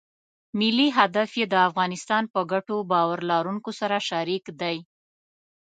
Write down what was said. ملي هدف یې د افغانستان په ګټو باور لرونکو سره شریک دی.